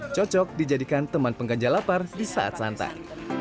cocok dijadikan teman pengganja lapar di saat santan